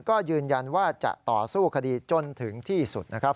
ก็ยืนยันว่าจะต่อสู้คดีจนถึงที่สุดนะครับ